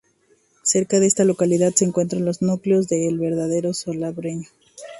Cerca de esta localidad se encuentran los núcleos de El Varadero y Salobreña.